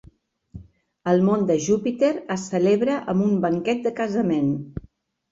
El món de Jupiter es celebra amb un banquet de casament.